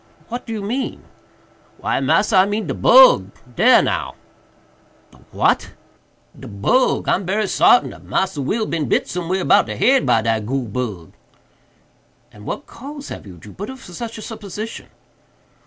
what do you mean?" "Why, massa, I mean de bug—dare now." "The what?" "De bug,—I'm berry sartain dat Massa Will bin bit somewhere 'bout de head by dat goole bug." "And what cause have you, Jupiter, for such a supposition?"